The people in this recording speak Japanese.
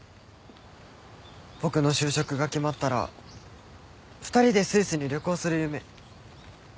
僕の就職が決まったら２人でスイスに旅行する夢。